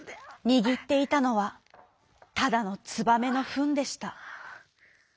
にぎっていたのはただのつばめのふんでした。